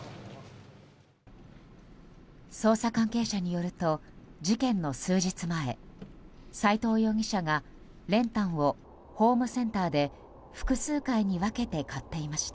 捜査関係者によると事件の数日前齋藤容疑者が練炭をホームセンターで複数回に分けて買っていました。